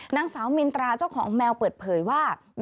นางสาวมินตราเจ้าของแมวเปิดเผยว่า